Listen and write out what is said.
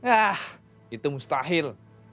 ah itu mustahil